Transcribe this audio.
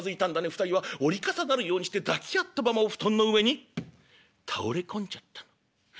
２人は折り重なるようにして抱き合ったままお布団の上に倒れ込んじゃったの」。